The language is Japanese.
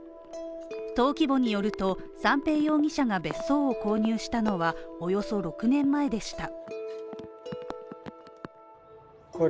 登記簿によると、三瓶容疑者が別荘を購入したのはおよそ６年前でした。